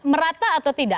merata atau tidak